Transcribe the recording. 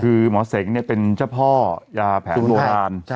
คือหมอเสงเนี่ยเป็นเจ้าพ่อยาแผนโลกราณ